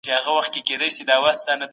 که څوک سياست نه پېژني بايد پکې دخيل نسي.